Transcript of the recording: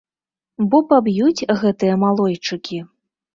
Бо паб'юць гэтыя малойчыкі.